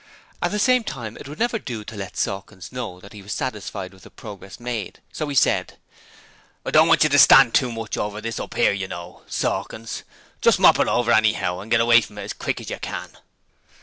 At the same time it would never do to let Sawkins know that he was satisfied with the progress made, so he said: 'I don't want you to stand too much over this up 'ere, you know, Sawkins. Just mop it over anyhow, and get away from it as quick as you can.'